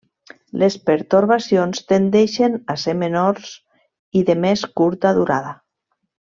Les pertorbacions tendeixen a ser menors i de més curta durada.